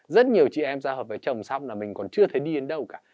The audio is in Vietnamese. rất nhiều chị em ra hợp với chồng xong là mình còn chưa thấy đi đến đâu cả